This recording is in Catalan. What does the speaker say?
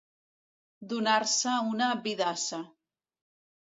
Donar-se una vidassa.